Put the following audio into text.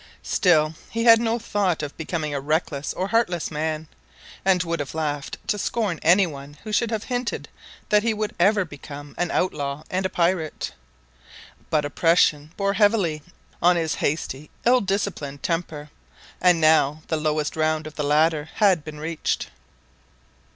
Still, he had no thought of becoming a reckless or heartless man, and would have laughed to scorn any one who should have hinted that he would ever become an outlaw and a pirate. But oppression bore heavily on his hasty, ill disciplined temper, and now the lowest round of the ladder had been reached.